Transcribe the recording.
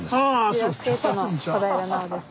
スピードスケートの小平奈緒です。